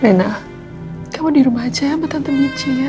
rena kamu di rumah aja ya sama tante michi ya